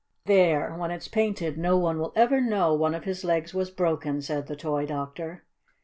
"There! When it's painted no one will ever know one of his legs was broken," said the toy doctor.